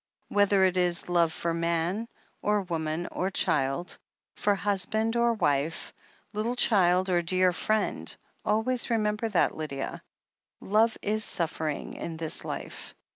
Whether it is love for man, or woman or child — for husband or wife, little child or dear friend, always remember that, Lydia. Love is suffering in this life.